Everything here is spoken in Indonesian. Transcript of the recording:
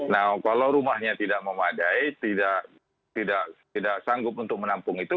nah kalau rumahnya tidak memadai tidak sanggup untuk menampung itu